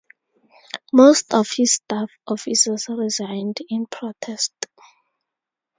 Most of his Staff Officers resigned in protest.